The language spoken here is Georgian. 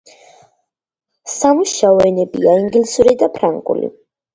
სამუშო ენებია ინგლისური და ფრანგული.